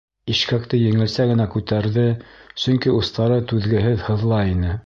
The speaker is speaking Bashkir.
Ишкәкте еңелсә генә күтәрҙе, сөнки устары түҙгеһеҙ һыҙлай ине.